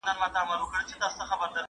پوه سړي نوي علمي څېړني ترسره کولې.